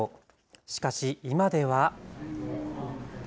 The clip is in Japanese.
しかし今では。